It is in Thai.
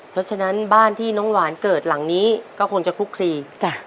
เพราะฉะนั้นบ้านที่น้องหวานเกิดหลังนี้ก็คงจะคลุกคลีจ้ะ